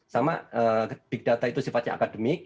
sama big data itu sifatnya akademik